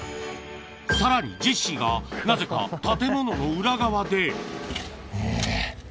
さらに、ジェシーがなぜか建物の裏側で。